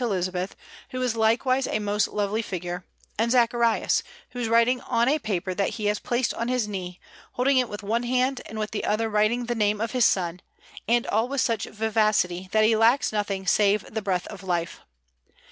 Elizabeth, who is likewise a most lovely figure, and Zacharias, who is writing on a paper that he has placed on his knee, holding it with one hand and with the other writing the name of his son, and all with such vivacity, that he lacks nothing save the breath of life.